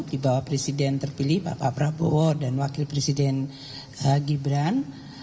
di bawah presiden terpilih bapak prabowo dan wakil presiden gibran